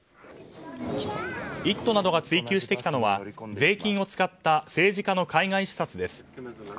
「イット！」などが追及してきたのは税金を使った政治家の海外視察です。